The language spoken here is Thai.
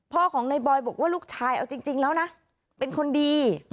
พ่อของในบอยบอกว่าลูกชายเอาจริงแล้วนะเป็นคนดี